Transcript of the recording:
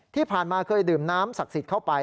ที่ผ่านมาเคยดื่มน้ำศักดิ์สิทธิ์เข้าไป